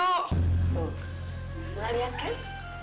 tuh lu gak liat kan